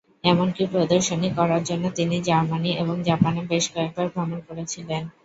এমনকি প্রদর্শনী করার জন্য তিনি জার্মানি এবং জাপানে বেশ কয়েকবার ভ্রমণ করেছিলেন।